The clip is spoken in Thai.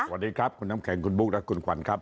สวัสดีครับคุณน้ำแข็งคุณบุ๊คและคุณขวัญครับ